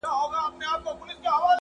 يا دي نه وي يا دي نه سره زامن وي.